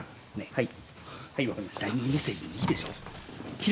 はい。